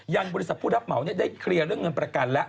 บริษัทผู้รับเหมาได้เคลียร์เรื่องเงินประกันแล้ว